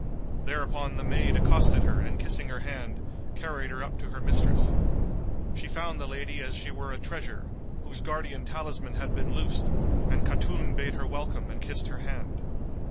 Thereupon the maid accosted her and kissing her hand, carried her up to her mistress. She found the lady as she were a treasure, whose guardian talisman had been loosed; and Khatun bade her welcome and kissed her hand.